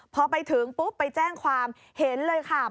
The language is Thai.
พอไปถึงปุ๊บไปแจ้งความเห็นเลยค่ะ